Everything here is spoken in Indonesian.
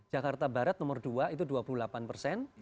jakarta barat nomor dua itu dua puluh delapan persen